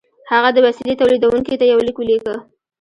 هغه د وسیلې تولیدوونکي ته یو لیک ولیکه